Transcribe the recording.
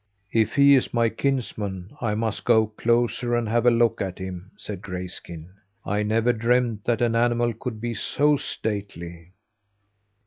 "If he is my kinsman, I must go closer and have a look at him," said Grayskin. "I never dreamed that an animal could be so stately!"